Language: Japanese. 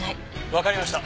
「わかりました。